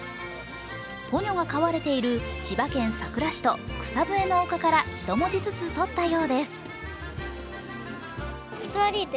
ポニョが飼われている千葉県佐倉市と草ぶえの丘から１文字ずつ取ったようです。